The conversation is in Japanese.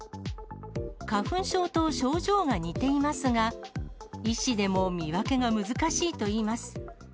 花粉症と症状が似ていますが、医師でも見分けが難しいといいます。